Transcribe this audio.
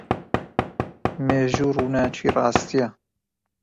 مێژوو ڕووناکیی ڕاستییە.